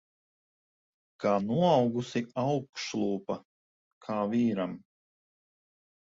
Kā noaugusi augšlūpa. Kā vīram.